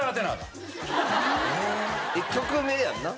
曲名やんな？